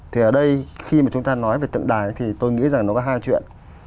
thì ở đây khi mà chúng ta nói về tượng đài thì tôi nghĩ rằng nó có hai chuyện